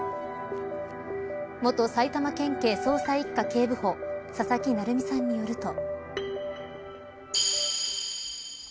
元埼玉県警捜査一課警部補佐々木成三さんによると。